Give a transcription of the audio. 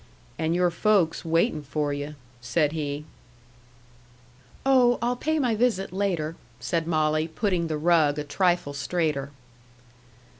"And your folks waiting for you," said he. "Oh, I'll pay my visit later," said Molly, putting the rug a trifle straighter.